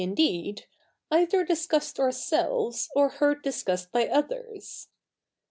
ideed — either discussed ourselves, or heard discussed by others?